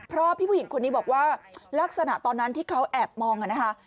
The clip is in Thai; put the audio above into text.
เพราะพี่ผู้หญิงคนนี้บอกว่าลักษณะตอนนั้นที่เขาแอบมองนะคะ